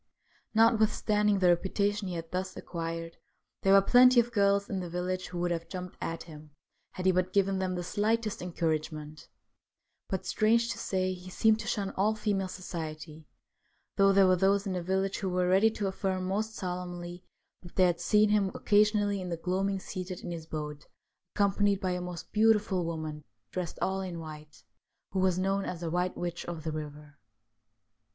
Notwithstanding the reputation he had thus acquired, there were plenty of girls in the village who would have jumped at him had he but given them the slightest en couragement ; but, strange to say, he seemed to shun all female society, though there were those in the village who were ready to affirm most solemnly that they had seen him occasionally in the gloaming seated in his boat, accompanied by a most beautiful woman, dressed all in white, who was known as ' The White Witch of the Eiver.'